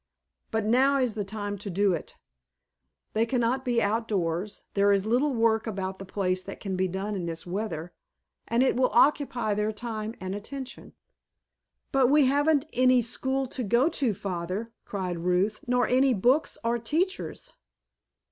But now is the time to do it. They cannot be outdoors, there is little work about the place that can be done in this weather, and it will occupy their time and attention." "But we haven't any school to go to, Father," cried Ruth, "nor any books or teachers!"